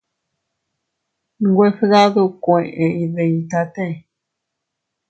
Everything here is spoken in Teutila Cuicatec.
Nwe fdadukue iyditate.